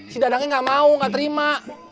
si dadangnya gak mau gak terima